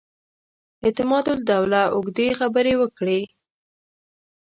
اعتماد الدوله اوږدې خبرې وکړې.